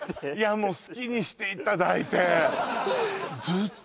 もう好きにしていただいてはい